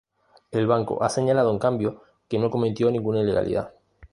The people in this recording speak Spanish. El banco ha señalado, en cambio, que no cometió ninguna ilegalidad.